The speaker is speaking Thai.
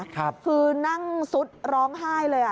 คือนั่งซุดร้องไห้เลย